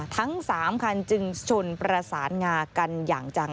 ทั้ง๓คันจึงชนประสานงากันอย่างจัง